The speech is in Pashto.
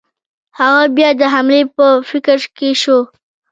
هغه بیا د حملې په فکر کې شو.